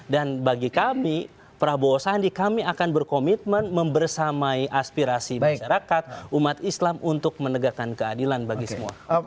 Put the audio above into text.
dan bagi kami prabowo sandi kami akan berkomitmen membersamai aspirasi masyarakat umat islam untuk menegakkan keadilan bagi semua